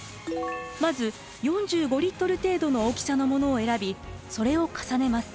まず４５リットル程度の大きさのものを選びそれを重ねます。